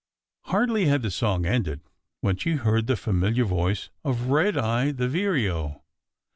Hardly had the song ended when she heard the familiar voice of Redeye the Vireo.